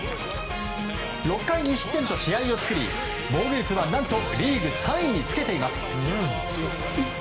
６回２失点と試合を作り防御率は何とリーグ３位につけています。